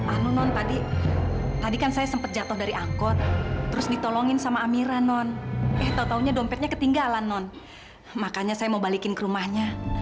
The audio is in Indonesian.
anu non tadi kan saya sempat jatuh dari angkot terus ditolongin sama amira non eh tau taunya dompetnya ketinggalan non makanya saya mau balikin ke rumahnya